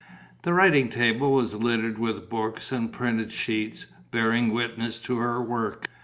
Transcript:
The writing table was littered with books and printed sheets, bearing witness to her work.